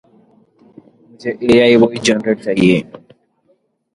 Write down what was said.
Currently however, it contains an Intake Assessment Unit as well as a Segregation Unit.